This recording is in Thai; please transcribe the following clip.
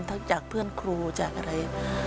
จากเพื่อนครูจากอะไร